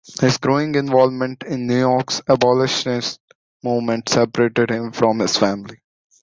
His growing involvement in New York's abolitionist movement separated him from his family.